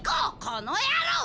このやろう！